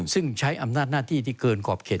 ซึ่งใช้อำนาจหน้าที่ที่เกินขอบเขต